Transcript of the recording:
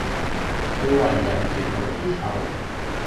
佢為人絕無知醜